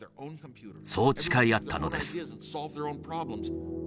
そう誓い合ったのです。